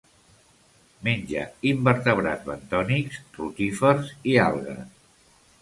Menja invertebrats bentònics, rotífers i algues.